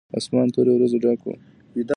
اسمان تورو وريځو ډک و.